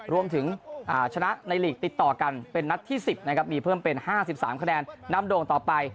รวมถึงชนะในลีกติดต่อกันเป็นนัดที่๑๐นะครับมีเพิ่มเป็น๕๓คะแนนนำโด่งต่อไป